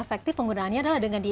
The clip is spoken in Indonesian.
efektif penggunaannya adalah dengan di